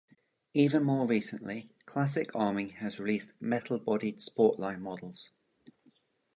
Even more recently, Classic Army has released metal-bodied sportline models.